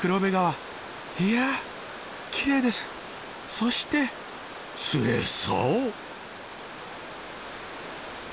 そして釣れそう！